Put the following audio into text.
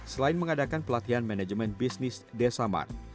selain mengadakan pelatihan manajemen bisnis desa mart